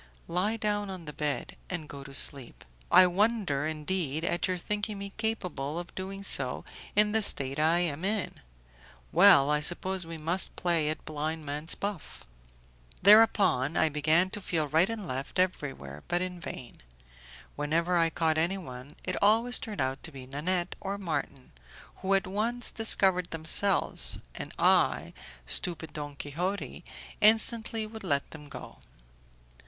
"Lie down on the bed, and go to sleep." "In wonder, indeed, at your thinking me capable of doing so in the state I am in. Well, I suppose we must play at blind man's buff." Thereupon, I began to feel right and left, everywhere, but in vain. Whenever I caught anyone it always turned out to be Nanette or Marton, who at once discovered themselves, and I, stupid Don Quixote, instantly would let them go!